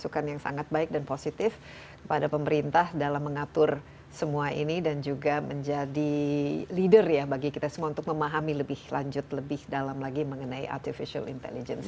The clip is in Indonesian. masukan yang sangat baik dan positif kepada pemerintah dalam mengatur semua ini dan juga menjadi leader ya bagi kita semua untuk memahami lebih lanjut lebih dalam lagi mengenai artificial intelligence